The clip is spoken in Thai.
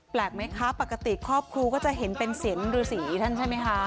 แปลกไหมคะปกติครอบครัวก็จะเห็นเป็นเสียงฤษีท่านใช่ไหมคะ